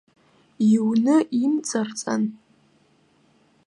Иуны имҵарҵан.